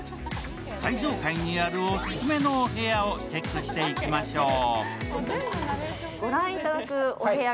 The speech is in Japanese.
最上階にあるオススメのお部屋をチェックしていきましょう。